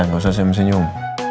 gak usah saya bersenyum